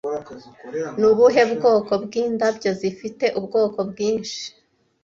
Ni ubuhe bwoko bw'indabyo zifite ubwoko bwinshi